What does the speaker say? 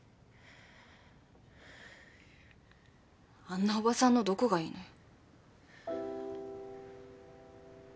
あんなおばさんのどこがいいのよ？